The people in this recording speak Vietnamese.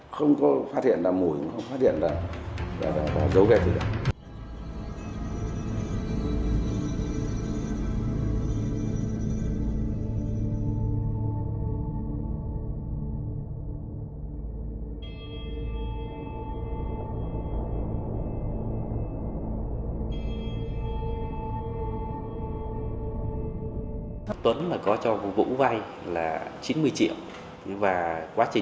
không có phát hiện là mùi không có phát hiện là có dấu gây gì